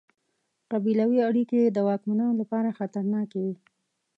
قبیلوي اړیکې یې د واکمنانو لپاره خطرناکې وې.